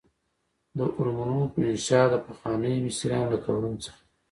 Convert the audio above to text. د هرمونو منشا د پخوانیو مصریانو له قبرونو څخه ده.